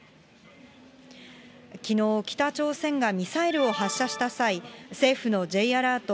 きのう、北朝鮮がミサイルを発射した際、政府のＪアラート